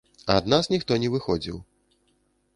Ад нас ніхто не выходзіў.